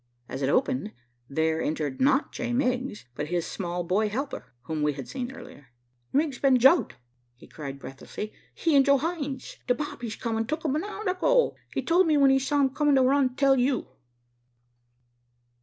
As it opened, there entered not J. Miggs, but his small boy helper, whom we had seen earlier. "Miggs's been jugged," he cried breathlessly. "He and Joe Hines. The bobbies come and took 'em an hour ago. He told me, when he saw 'em comin', to run and tell you."